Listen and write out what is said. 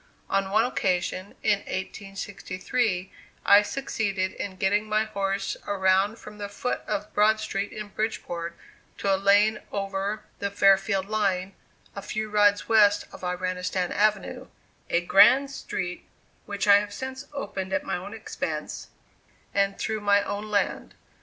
On one occasion, in 1863, I succeeded in getting my horse around from the foot of Broad Street in Bridgeport to a lane over the Fairfield line, a few rods west of "Iranistan Avenue," a grand street which I have since opened at my own expense, and through my own land.